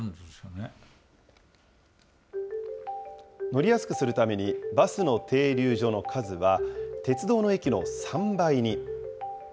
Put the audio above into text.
乗りやすくするために、バスの停留所の数は、鉄道の駅の３倍に。